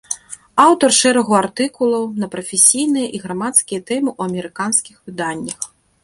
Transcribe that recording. Аўтар шэрагу артыкулаў на прафесійныя і грамадскія тэмы ў амерыканскіх выданнях.